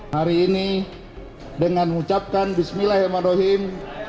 hari ini dengan mengucapkan bismillahirrahmanirrahim